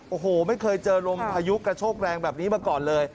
โอ้โหไม่เคยเจอลมพายุกระโชกแรงแบบนี้มาก่อนเลย